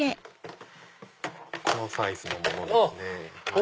このサイズのものですね。